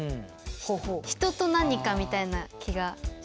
人と何かみたいな気がします。